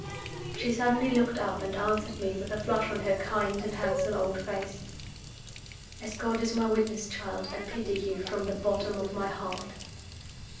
She suddenly looked up, and answered me with a flush on her kind and handsome old face. "As God is my witness, child, I pity you from the bottom of my heart!"